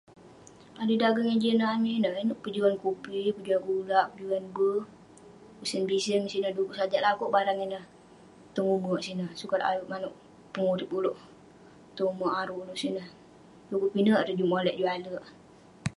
maneuk dageng eh jin amik ineh ineuk pejuan kupi pejuan gula pejuan be usen biseng sineh du'kuk sajak laku'k barang ineh tong umek sineh sukat ayuk maneuk pun urip uleuk tong umek aruk uleuk sineh du'kuk pinek ireh juk molek juk alek